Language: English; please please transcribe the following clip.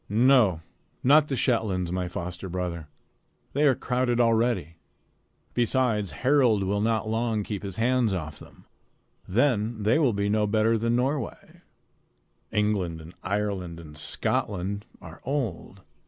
"No, not the Shetlands, my foster brother. They are crowded already. Besides, Harald will not long keep his hands off them. Then they will be no better than Norway. England and Ireland and Scotland are old.